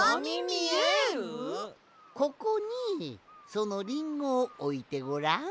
ここにそのリンゴをおいてごらん。